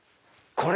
これ？